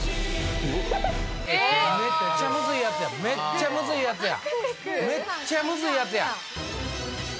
⁉めっちゃむずいやつや。